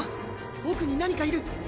奥に何かいる。